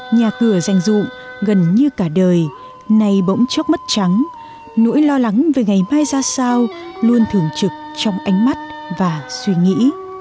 nhà cửa danh rụng gần như cả đời nay bỗng chốc mất trắng nỗi lo lắng về ngày mai ra sao luôn thường trực trong ánh mắt và suy nghĩ